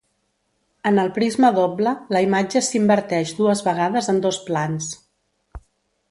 En el prisma doble la imatge s'inverteix dues vegades en dos plans.